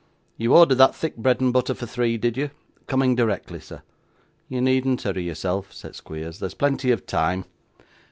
You ordered that thick bread and butter for three, did you?' 'Coming directly, sir.' 'You needn't hurry yourself,' said Squeers; 'there's plenty of time.